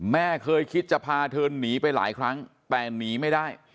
แม่เคยคิดจะพาเธอหนีไปหลายครั้งแต่หนีไม่ได้